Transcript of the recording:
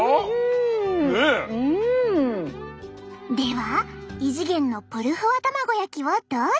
では異次元のぷるふわ卵焼きをどうぞ！